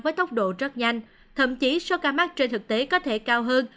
với tốc độ rất nhanh thậm chí số ca mắc trên thực tế có thể cao hơn